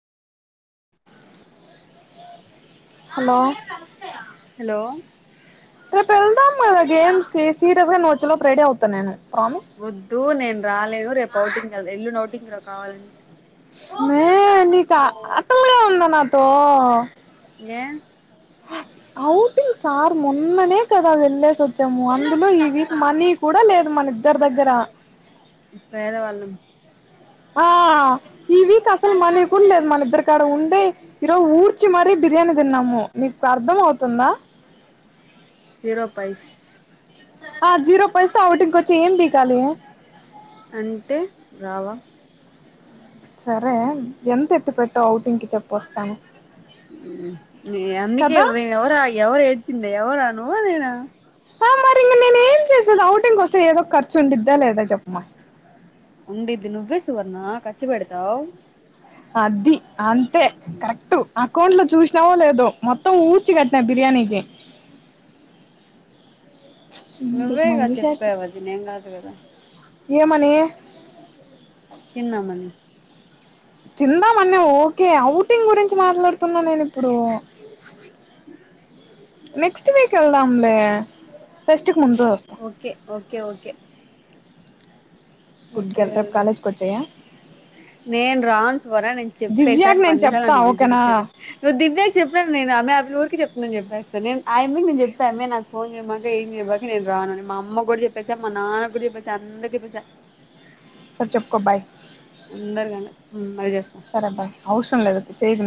Hello hello రేప్ ఏళ్దాం గాదా గేమ్స్ కి సీరియస్ గా నువ్వు వచ్చే లోపు రెడీ అవుతాను నేను. ప్రామిస్ వద్దు నేను రాలేను రేప్ ఔటింగ్ ఎల్లుండి ఔటింగ్ రా కావాలంటే. మే నీక్ అటల్గా ఉంద నాతో. ఏం. ఓటింగ్ సార్ మొన్ననే కదా వెళ్ళే వస్. చము అందులో ఈ వీక్ మనీ కూడా లేదు మన ఇద్దరి దగ్గర. పేదవాళ్ళం. ఆహ్ ఈ వీక్ అసలు మనీ కూడా లేద్ మనిద్దరికాడ ఉంటే ఈరోజు ఊడ్చి మరీ బిర్యానీ తిన్నాము నికు అర్ధం అవుతుందా. జీరో పైస్. ఆహ్ జీరో పైస్ తో ఔటింగ్ కోచ్చి ఏం పికాలి. అంటే రావా. సరే ఎంత ఎత్తుకత్తావ్ ఔటింగ్కి చెప్పోస్తా. ని అందుకే ఎవరా ఎవరు ఏడ్చింది ఎవరా నువ్వ నేనా. ఆహ్ మరి ఇంగా నేను ఏం చేసేది ఔటింగ్ కోస్తే ఏదో ఖర్చు ఉండిద్దా లేదా చెప్పమ్మా. ఉండిద్ది నువ్వే సువర్ణ ఖర్చు పెడతావు. అది అంతే కరెక్ట్ అకౌంట్ లో చూసినావో లేదో మొత్తం ఊడ్చి కట్నా బిర్యానీ. నికి. ఎందుకు నువ్వే గా మంజు షాకి చెప్పేవు అది నేను గదు గాదా. ఏమని. తిందామని. తిందామనీ ఓకే అవుటింగ్ గురించి మాట్లాడుతున్నా నేనిప్పుడు నెక్స్ట్ వీక్ ఏళ్దాంలే. Okay okay okay. Good okay girl రేప్ వెళ్దాం కాలేజ్ కోచెసేయ్యే. నేను రాను సువర్ణ నికు చెప్పేశా దివ్యాకి నువ్వు నేను అన్నిసార్ చెప్తా నన్ ఓకేనా విసిగించకు దివ్యాక్ చెప్పిన్ నేను ఆమె. నా బ్లూర్ కి చెప్. నేను చెప్పేస్త నేను ఆయమీన్ నే చెప్పా మే నాకు ఫోన్ చేయమాక ఏం చేయామాక నేను రానని మా అమ్మ గుడా చెప్పేసా మా నా. నాన్నకు గుడ చెప్పేస అందరికి చెప్పేస. Sir చెప్కో bye. అందర్ గానే ఉమ్. సరే బాయ్ అవ్సరం లేదీప్పుడ్ చేయకు.